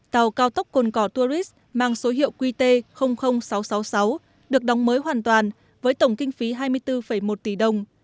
tàu cao tốc cồn cỏ tourist mang số hiệu qt sáu trăm sáu mươi sáu được đóng mới hoàn toàn với tổng kinh phí hai mươi bốn một tỷ đồng